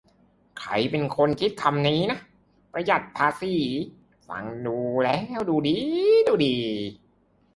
ใครเป็นคนคิดคำนี้นะ "ประหยัดภาษี" ฟังแล้วดูดี๊ดูดี